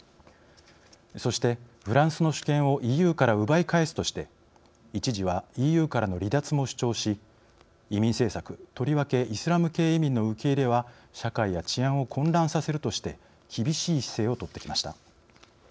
そして「フランスの主権をＥＵから奪い返す」として一時はＥＵからの離脱も主張し移民政策、とりわけイスラム系移民の受け入れは社会や治安を混乱させるとして厳しい姿勢を取ってきました。